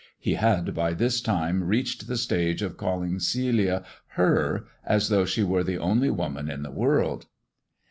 He had by this time reached the stage THE dwarf's chamber 89 of calling Celi$i " Her/' as though she were the only woman in .the world.